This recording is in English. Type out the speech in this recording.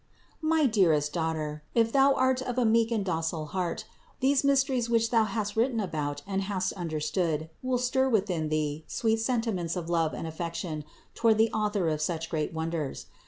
464. My dearest daughter, if thou art of a meek and docile heart, these mysteries which thou hast written about and hast understood, will stir within thee sweet sentiments of love and affection toward the Author of such great wonders.